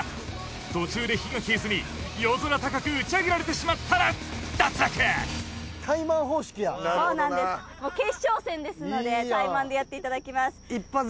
途中で火が消えずに夜空高く打ち上げられてしまったら脱落そうなんです決勝戦ですのでタイマンでやっていただきます